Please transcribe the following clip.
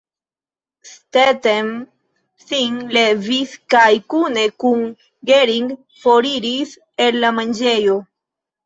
Stetten sin levis kaj kune kun Gering foriris el la manĝejo.